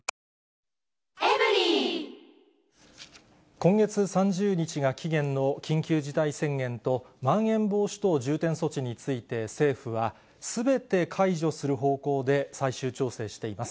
今月３０日が期限の緊急事態宣言と、まん延防止等重点措置について、政府はすべて解除する方向で最終調整しています。